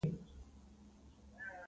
جانکو مې نه خوښيږي.